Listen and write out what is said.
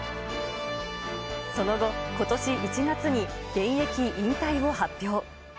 その後、ことし１月に現役引退を発表。